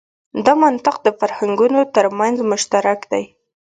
دا منطق د فرهنګونو تر منځ مشترک دی.